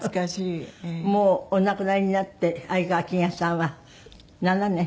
もうお亡くなりになって愛川欽也さんは７年？